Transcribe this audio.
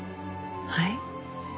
はい？